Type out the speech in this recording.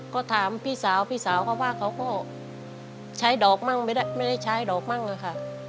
ก็ถามพี่สาวพี่สาวเขาว่าเขาก็ใช้ดอกมั่งไม่ได้ใช้ดอกมั่งเลยค่ะ